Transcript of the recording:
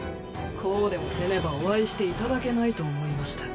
こうでもせねばお会いしていただけないと思いまして。